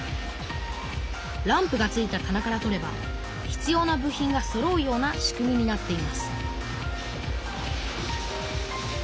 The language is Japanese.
ランプがついたたなから取れば必要な部品がそろうような仕組みになっています